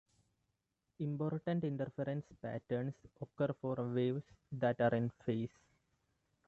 Important interference patterns occur for waves that are in phase.